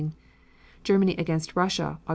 Germany against Russia, Aug.